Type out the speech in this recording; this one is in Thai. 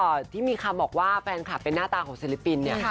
ที่มีคำบอกว่าแฟนคลับเป็นหน้าตาของศิลปินเนี่ย